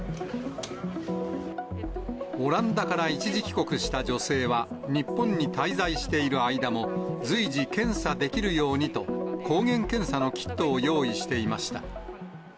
オランダから一時帰国した女性は、日本に滞在している間も、随時、検査できるようにと、抗原検査のキットを用意していました。